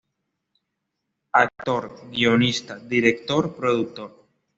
Actor, Guionista, Director, Productor.